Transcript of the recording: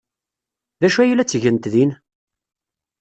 D acu ay la ttgent din?